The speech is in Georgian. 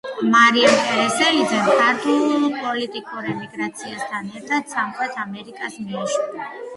მარიამ კერესელიძემ ქართულ პოლიტიკურ ემიგრაციასთან ერთად, სამხრეთ ამერიკას მიაშურა.